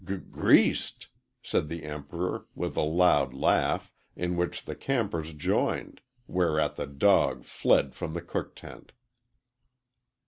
"G greased!" said the Emperor, with a loud laugh, in which the campers joined, whereat the dog fled from the cook tent.